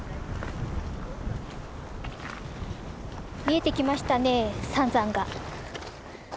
見えてきましたね三山が。